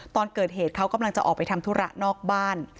ตอนเกิดเหตุเขากำลังจะออกไปทำธุระนอกบ้าน